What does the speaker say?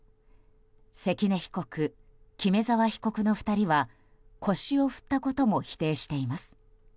関根被告、木目沢被告の２人は腰を振ったことも否定しています。